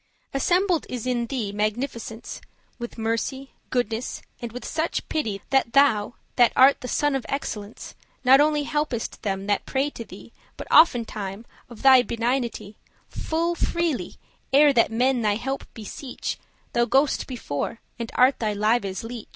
Assembled is in thee magnificence <4> With mercy, goodness, and with such pity, That thou, that art the sun of excellence, Not only helpest them that pray to thee, But oftentime, of thy benignity, Full freely, ere that men thine help beseech, Thou go'st before, and art their lives' leech.